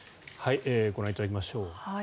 ご覧いただきましょう。